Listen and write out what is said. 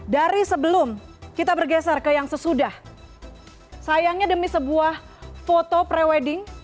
dari sebelum kita bergeser ke yang sesudah sayangnya demi sebuah foto pre wedding